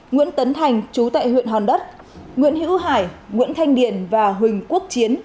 nguyễn tấn thành chú tại huyện hòn đất nguyễn hữu hải nguyễn thanh điền và huỳnh quốc chiến